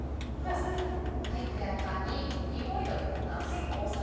ではフライパンにオリーブオイルを入れます。